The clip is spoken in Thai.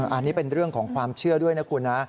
อันนี้เป็นเรื่องของความเชื่อด้วยนะคุณนะ